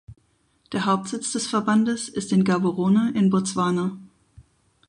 Der Hauptsitz des Verbandes ist in Gaborone in Botswana.